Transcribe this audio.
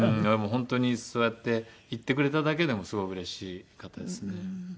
本当にそうやって言ってくれただけでもすごいうれしかったですね。